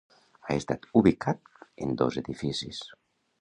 Ha estat ubicat en dos edificis.